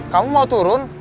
kamu mau turun